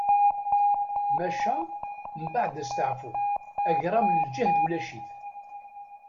Maca, mbaɛd asteɛfu, agṛam n lǧehd ulac-it.